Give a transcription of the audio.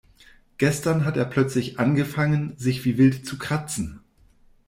Gestern hat er plötzlich angefangen, sich wie wild zu kratzen.